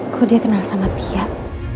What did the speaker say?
kok dia kenal sama tiat